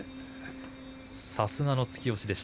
さすがの突き押し。